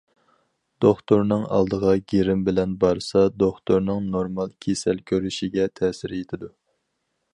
دوختۇرنىڭ ئالدىغا گىرىم بىلەن بارسا دوختۇرنىڭ نورمال كېسەل كۆرۈشىگە تەسىر يېتىدۇ.